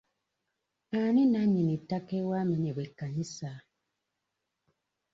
Ani nnannyini ttaka ewaamenyebwa ekkanisa?